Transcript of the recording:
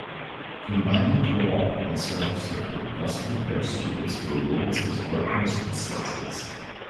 Combining co-op and service learning thus prepares students for roles as workers and citizens.